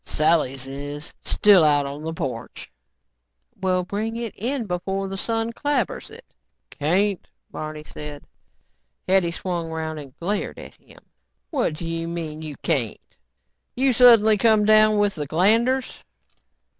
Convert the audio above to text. "Sally's is still out on the porch." "Well bring it in before the sun clabbers it." "Can't," Barney said. Hetty swung around and glared at him. "What do you mean, you can't? You suddenly come down with the glanders?"